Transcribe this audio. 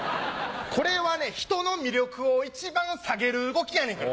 これはね人の魅力を一番下げる動きやねんから。